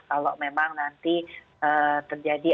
kalau memang nanti terjadi ataupun tidak